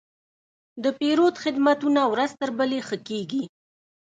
د پیرود خدمتونه ورځ تر بلې ښه کېږي.